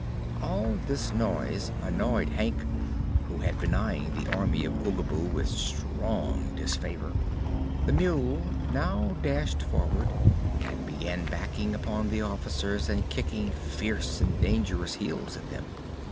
All this noise annoyed Hank, who had been eyeing the Army of Oogaboo with strong disfavor. The mule now dashed forward and began backing upon the officers and kicking fierce and dangerous heels at them.